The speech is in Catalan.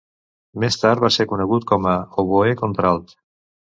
Més tard va ser conegut com a oboè contralt.